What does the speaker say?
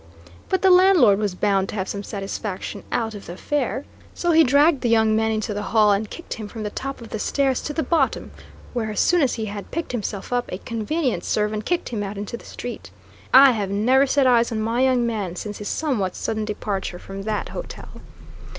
But the landlord was bound to have some satisfaction out of the affair; so he dragged the young man into the hall and kicked him from the top of the stairs to the bottom, where, as soon as he had picked himself up, a convenient servant kicked him out into the street. I have never set eyes on my young man since his somewhat sudden departure from that hotel.